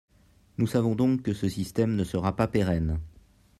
Nous savons donc que ce système ne sera pas pérenne.